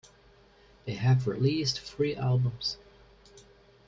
They have released three albums.